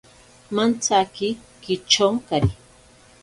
Mantsaki kichonkari.